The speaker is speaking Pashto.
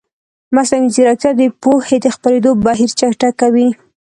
مصنوعي ځیرکتیا د پوهې د خپرېدو بهیر چټکوي.